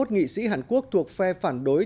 ba mươi một nghị sĩ hàn quốc thuộc phe phản đối